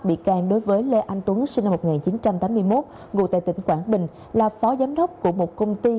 bị can đối với lê anh tuấn sinh năm một nghìn chín trăm tám mươi một ngụ tại tỉnh quảng bình là phó giám đốc của một công ty